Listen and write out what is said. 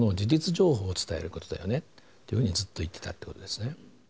情報を伝えることだよねっていうふうにずっと言ってたってことですね。